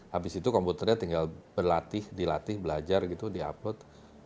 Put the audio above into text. habis itu komputernya tinggal berlatih dilatih belajar gitu di upload